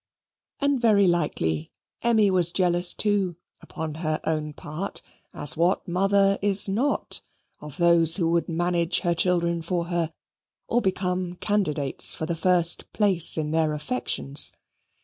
And very likely Emmy was jealous too, upon her own part, as what mother is not, of those who would manage her children for her, or become candidates for the first place in their affections.